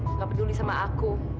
nggak peduli sama aku